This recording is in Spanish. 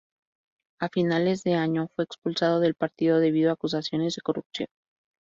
A finales de año, fue expulsado del partido debido a acusaciones de corrupción.